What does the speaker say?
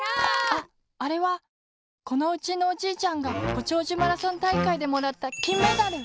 ああれはこのうちのおじいちゃんがごちょうじゅマラソンたいかいでもらったきんメダル！